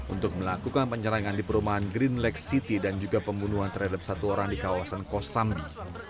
untuk melakukan penyerangan di perumahan green lake city dan juga pembunuhan terhadap satu orang di kawasan kosambi